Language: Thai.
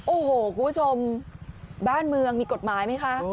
โอ้โหคุณผู้ชมบ้านเมืองมีกฎหมายไหมคะ